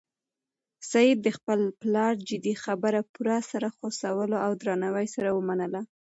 سعید د خپل پلار جدي خبره په پوره سر خوځولو او درناوي سره ومنله.